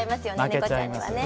ネコちゃんにはね。